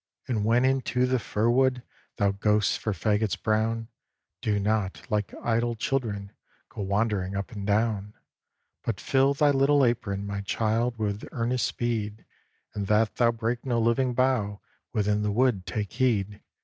"And when into the fir wood Thou goest for fagots brown, Do not, like idle children, Go wandering up and down; "But fill thy little apron, My child, with earnest speed; And that thou break no living bough Within the wood, take heed.